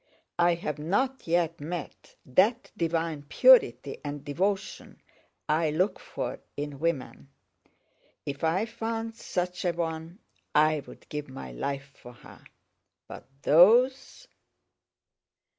I have not yet met that divine purity and devotion I look for in women. If I found such a one I'd give my life for her! But those!..."